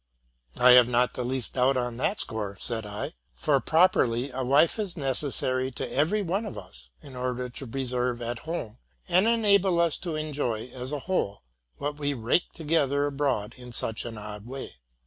''I have not the least doubt on that score,'' said 1; '' for properly a wife is hecessary to every one of us, in order to preserve at home, and enable us to enjoy as a whole, what we rake together abroad in such an odd way.